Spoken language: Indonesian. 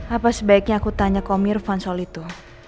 apa sebaiknya aku tanya ke om irvan soal itu